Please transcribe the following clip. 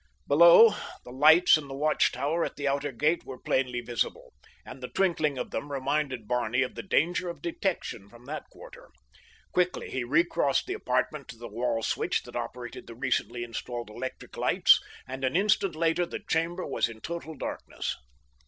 Below, the lights in the watch tower at the outer gate were plainly visible, and the twinkling of them reminded Barney of the danger of detection from that quarter. Quickly he recrossed the apartment to the wall switch that operated the recently installed electric lights, and an instant later the chamber was in total darkness.